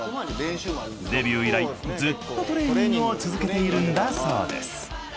デビュー以来ずっとトレーニングを続けているんだそうです。